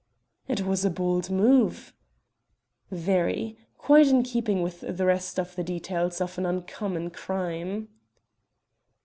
"It was a bold move." "Very. Quite in keeping with the rest of the details of an uncommon crime."